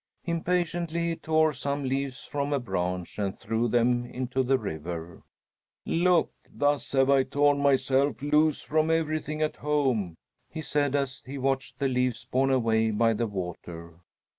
Impatiently he tore some leaves from a branch and threw them into the river. "Look! thus have I torn myself loose from everything at home," he said, as he watched the leaves borne away by the water.